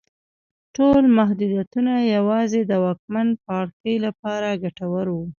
ټول محدودیتونه یوازې د واکمن پاړکي لپاره ګټور وو.